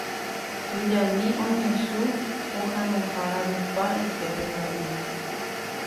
Tujami oñesũ pohãnohára rupa yképe ndaje.